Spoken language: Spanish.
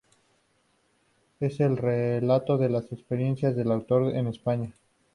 Es el relato de las experiencias del autor en España.